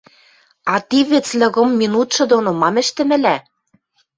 — А ти вӹцлӹ кым минутшы доно мам ӹштӹмӹлӓ?